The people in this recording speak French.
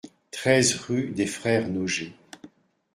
treize rue des Frères Noger